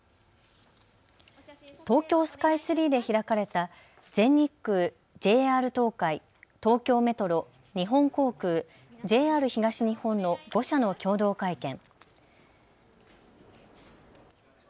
東京スカイツリーで開かれた全日空、ＪＲ東海、東京メトロ、日本航空、ＪＲ東日本の５社の共同会見。